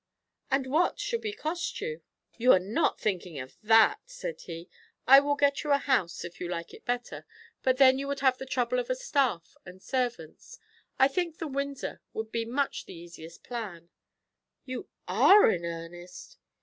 "And what should we cost you?" "You are not thinking of that?" said he. "I will get you a house, if you like it better; but then you would have the trouble of a staff of servants. I think the Windsor would be much the easiest plan." "You are in earnest!"